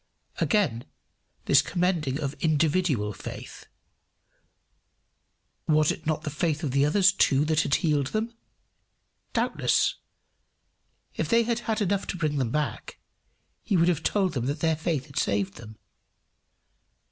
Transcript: Again this commending of individual faith! "Was it not the faith of the others too that had healed them?" Doubtless. If they had had enough to bring them back, he would have told them that their faith had saved them.